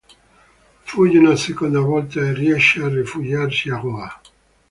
Fugge una seconda volta e riesce a rifugiarsi a Goa.